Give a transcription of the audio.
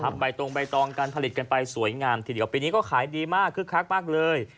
ใบตงใบตองการผลิตกันไปสวยงามทีเดียวปีนี้ก็ขายดีมากคึกคักมากเลย